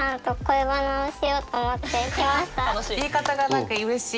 言い方が何かうれしい。